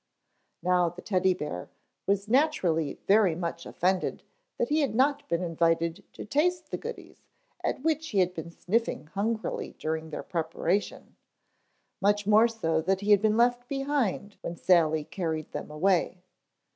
Now the Teddy bear was naturally very much offended that he had not been invited to taste the goodies at which he had been sniffing hungrily during their preparation; much more so that he had been left behind when Sally carried them away.